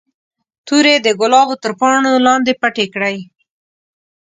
تورې د ګلابو تر پاڼو لاندې پټې کړئ.